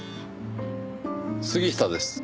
杉下です。